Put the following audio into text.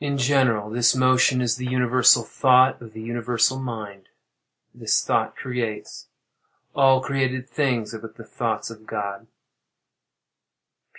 V. In general, this motion is the universal thought of the universal mind. This thought creates. All created things are but the thoughts of God.